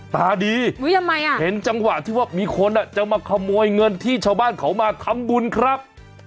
ตาดีเห็นจังหวะที่ว่ามีคนจะมาขโมยเงินที่ชาวบ้านเขามาทำบุญครับ